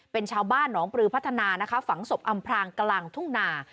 เป็นชาวบ้านหนองปลือพัฒนานะคะฝังศพอำพลางกลางทุ่งนา